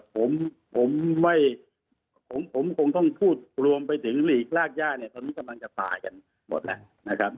ผมผมไม่ผมคงต้องพูดรวมไปถึงหลีกรากย่าเนี่ยตอนนี้กำลังจะตายกันหมดแล้วนะครับ